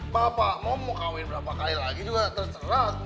bapak mau mau kawin berapa kali lagi juga terserat